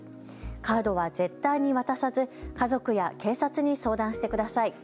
カードは絶対に渡さず家族や警察に相談してください。